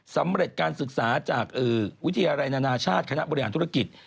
สำเร็จการศึกษาจากวิทยาลัยนานาชาติคณะบริหารธุรกิจ